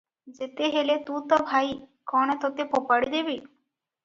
ଯେତେ ହେଲେ ତୁ ତ ଭାଇ, କ'ଣ ତୋତେ ଫୋପାଡ଼ି ଦେବି?